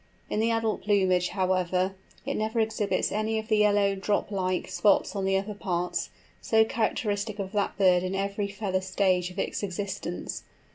In the adult plumage, however, it never exhibits any of the yellow, drop like, spots on the upper parts, so characteristic of that bird in every feather stage of its existence.